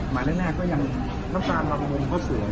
มาฆ่าหน้าก็ยังน้ำตาลร่ำบุญก็สุด